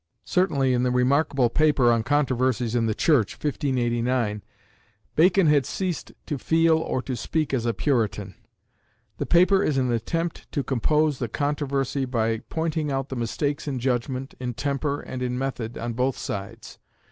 Certainly, in the remarkable paper on Controversies in the Church (1589), Bacon had ceased to feel or to speak as a Puritan. The paper is an attempt to compose the controversy by pointing out the mistakes in judgment, in temper, and in method on both sides.